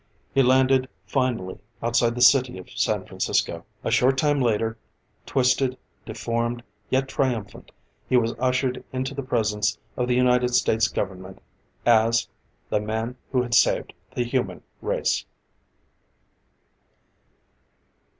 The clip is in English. He landed, finally, outside the city of San Francisco. A short time later, twisted, deformed, yet triumphant, he was ushered into the presence of the United States government as the man who had saved the human race.